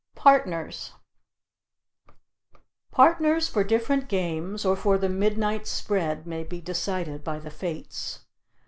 PARTNERS Partners for different games or for the midnight spread may be decided by the fates.